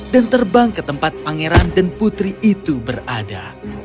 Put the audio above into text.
dan terbang ke tempat pangeran dan putri itu berada